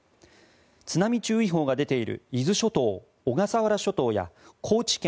津波注意報が出ている伊豆諸島、小笠原諸島や高知県